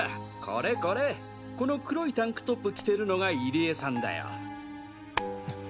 これこれこの黒いタンクトップ着てるのが入江さんだよ。